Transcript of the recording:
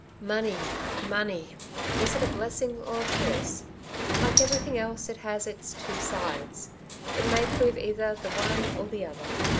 Money ! money ! Is it a blessing or a curse ? Like everything else, it has its " two sides;" it may prove either the one or the other.